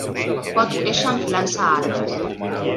Pot créixer enfilant-se a arbres.